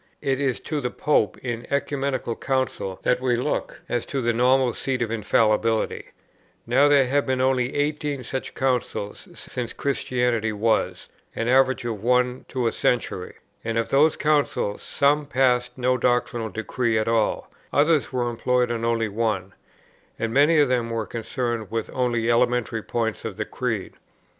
It is to the Pope in Ecumenical Council that we look, as to the normal seat of Infallibility: now there have been only eighteen such Councils since Christianity was, an average of one to a century, and of these Councils some passed no doctrinal decree at all, others were employed on only one, and many of them were concerned with only elementary points of the Creed.